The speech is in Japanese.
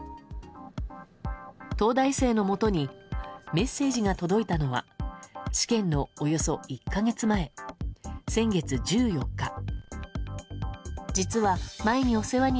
東大生のもとにメッセージが届いたのは試験のおよそ１か月前先月１４日。